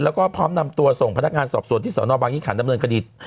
แล้วก็พร้อมนำตัวส่งพนักงานสอบสวนที่สนบางยี่ขันดำเนินคดี